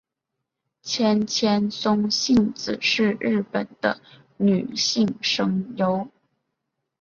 千千松幸子是日本的女性声优。